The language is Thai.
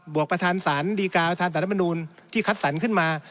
บวกประธานสารดีต่ารประธานศาลตรัฐมนุนที่คัดสรรขึ้นมา